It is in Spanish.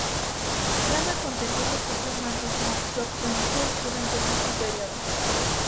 Flama conservó su propio mando como procónsul durante el mismo período.